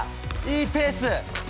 いいペース。